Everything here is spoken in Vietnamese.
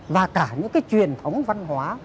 và cả những cái truyền thống văn hóa